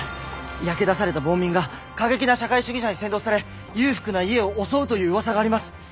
焼け出された暴民が過激な社会主義者に扇動され裕福な家を襲うといううわさがあります。